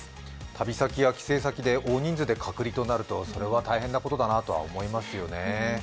旅先や帰省先で大勢で隔離となるとそれは大変なことだなとは思いますよね。